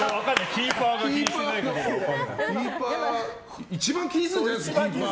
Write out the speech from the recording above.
キーパー、一番気にするんじゃないですか？